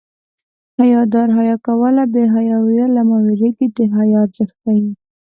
حیادار حیا کوله بې حیا ویل له ما وېرېږي د حیا ارزښت ښيي